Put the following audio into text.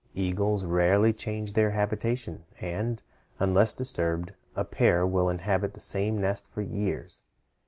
Eagles rarely change their habitation, and, unless disturbed, a pair will inhabit the same nest for years.